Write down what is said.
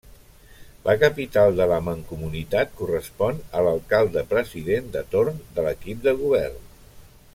La capital de la mancomunitat correspon a l'alcalde-president de torn de l'equip de govern.